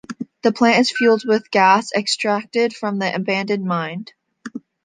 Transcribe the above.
The plant is fuelled with gas extracted from the abandoned mine.